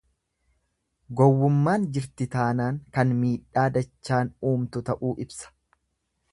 Gowwummaan jirti taanaan kan miidhaa dachaan uumtu ta'uu ibsa.